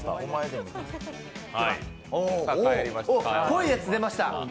濃いやつ出ました。